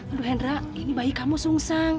aduh hendra ini bayi kamu sungsang